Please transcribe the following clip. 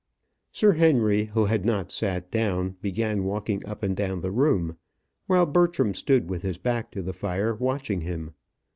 Sir Henry, who had not sat down, began walking up and down the room, while Bertram stood with his back to the fire watching him.